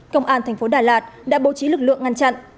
công an thành phố đà lạt đã bố trí lực lượng ngăn chặn